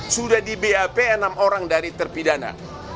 sudah di bap enam orang dari terpidana